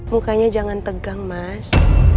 mukanya jangan tegang mas